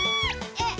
えっ？